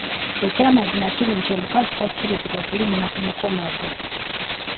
Ekyamazima kiri nti omukazi takkirizibwa kulinnya mu kkomago